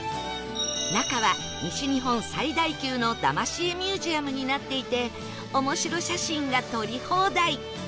中は西日本最大級のだまし絵ミュージアムになっていて面白写真が撮り放題